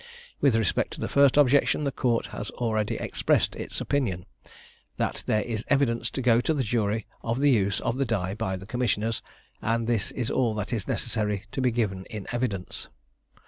With respect to the first objection the court has already expressed its opinion, that there is evidence to go to the jury of the use of the die by the commissioners, and this is all that is necessary to be given in evidence.